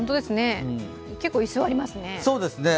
結構居座りますね。